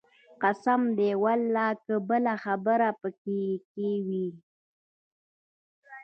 قسم دى ولله که بله خبره پکښې کښې وي.